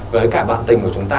với cả bạn tình của chúng ta